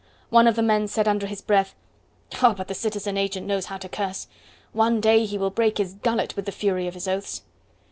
One of the men said under his breath: "Ah! but the citizen agent knows how to curse! One day he will break his gullet with the fury of his oaths."